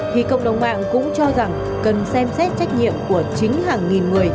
thì cộng đồng mạng cũng cho rằng cần xem xét trách nhiệm của chính hàng nghìn người